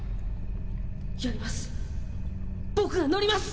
やります。